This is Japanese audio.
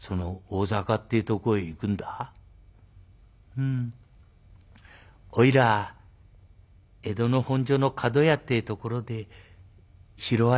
「うんおいら江戸の本所の角屋ってところで拾われたんだ。